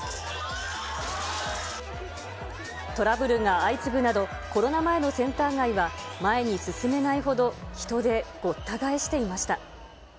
トラブルが相次ぐなど、コロナ前のセンター街は、前に進めないほど人でごった返していました。